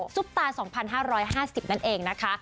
ปตา๒๕๕๐นั่นเองนะคะ